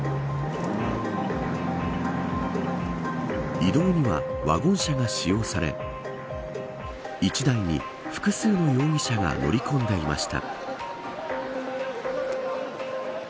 移動にはワゴン車が使用され１台に複数の容疑者が乗り込んでいました。